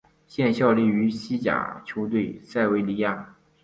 现效力于西甲球队塞维利亚。